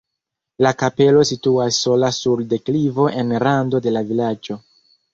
La kapelo situas sola sur deklivo en rando de la vilaĝo.